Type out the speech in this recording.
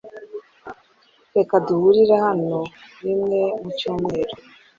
Reka duhurire hano rimwe mu cyumweru .